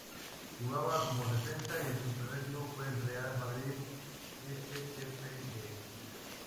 Jugaba como defensa y su primer club fue el Real Madrid C. F. "B".